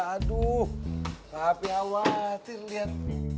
aduh papi khawatir lihat